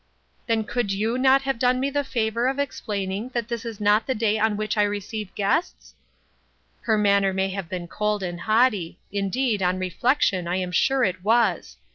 84 THE UNEXPECTED. " Then could you not have done me the favor of explaining that this is not the day on which I receive guests ?" Her manner may have been cold and haughty ; indeed, on reflection, I am sure it was.